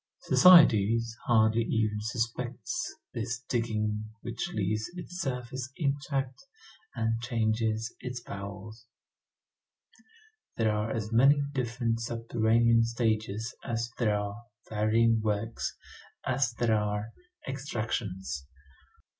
Society hardly even suspects this digging which leaves its surface intact and changes its bowels. There are as many different subterranean stages as there are varying works, as there are extractions.